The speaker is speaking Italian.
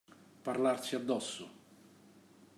Parlarsi addosso.